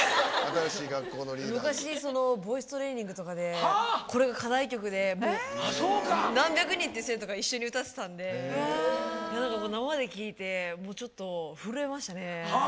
昔ボイストレーニングとかでこれが課題曲で何百人って生徒が一緒に歌ってたんで何かもう生で聴いてもうちょっと震えましたね。